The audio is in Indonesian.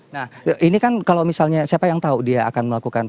nah ini kan kalau misalnya siapa yang tahu dia akan melakukan